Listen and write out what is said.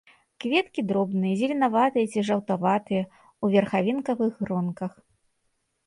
Кветкі дробныя, зеленаватыя ці жаўтаватыя, у верхавінкавых гронках.